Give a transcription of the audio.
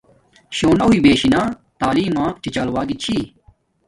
شونا ہوݵݵ بےشی نا تعیلم ما ہی چھی چال و گی چھی